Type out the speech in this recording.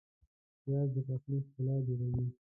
پیاز د پخلي ښکلا جوړوي